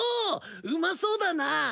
うまそうだな！